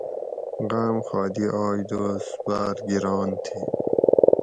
غام خادی آج دوس باۤر گران تھی